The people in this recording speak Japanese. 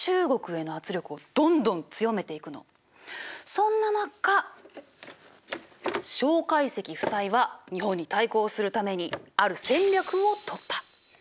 そんな中介石夫妻は日本に対抗するためにある戦略をとった。